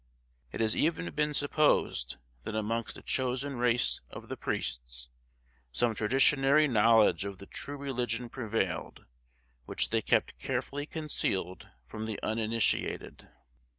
It has even been supposed, that amongst a chosen race of the priests, some traditionary knowledge of the true religion prevailed, which they kept carefully concealed from the uninitiated.